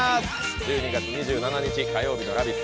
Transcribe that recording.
１２月２７日火曜日の「ラヴィット！」